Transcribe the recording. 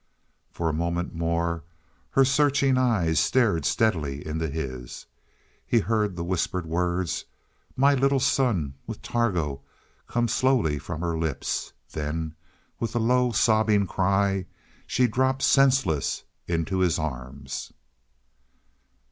For a moment more her searching eyes stared steadily into his. He heard the whispered words, "My little son with Targo," come slowly from her lips; then with a low, sobbing cry she dropped senseless into his arms.